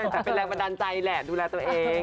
แต่เป็นแรงบันดาลใจแหละดูแลตัวเอง